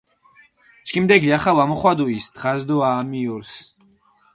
ჩქიმდე გლახა ვა მოხვადუ ის დღას დო ამიორს!